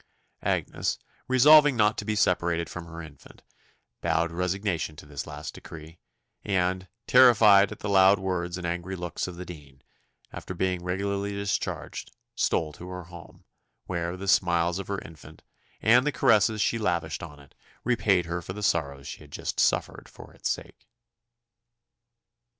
Agnes, resolving not to be separated from her infant, bowed resignation to this last decree; and, terrified at the loud words and angry looks of the dean, after being regularly discharged, stole to her home, where the smiles of her infant, and the caresses she lavished on it, repaid her for the sorrows she had just suffered for its sake.